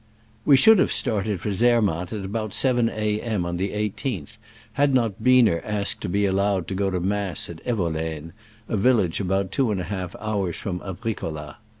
We should have started for Zermatt about 7 A. M. on the i8th, had not Biener asked to be allowed to go to mass at Evolene, a village about two and a half hours from Abricolla.